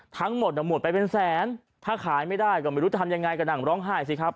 ทั้งหมดหมดไปเป็นแสนถ้าขายไม่ได้ก็ไม่รู้จะทำยังไงก็นั่งร้องไห้สิครับ